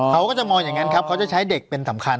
เขาก็จะมองอย่างนั้นครับเขาจะใช้เด็กเป็นสำคัญ